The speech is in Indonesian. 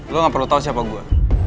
lu ga perlu tau siapa gue